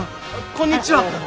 こんにちは。